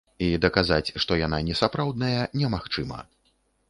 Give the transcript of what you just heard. І даказаць, што яна несапраўдная, немагчыма.